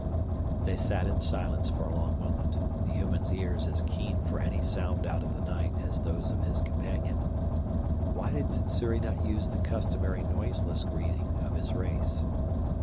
They sat in silence for a long moment, the human's ears as keen for any sound out of the night as those of his companion. Why did Sssuri not use the customary noiseless greeting of his race?